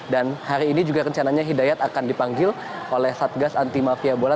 dan hari ini juga rencananya hidayat akan dipanggil oleh satgas anti mafia bola